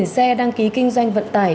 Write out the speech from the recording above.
một mươi năm xe đăng ký kinh doanh vận tải